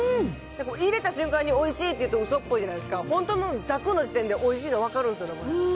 入れた瞬間においしいって言うとうそっぽいじゃないですか、本当、ざくの時点でおいしいの分かるんですよね、これ。